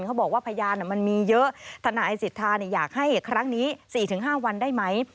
พยานมันมีเยอะทนายสิทธาอยากให้ครั้งนี้๔๕วันได้ไหม